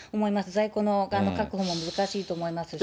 在庫の確保も難しいと思いますし。